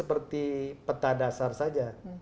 seperti peta dasar saja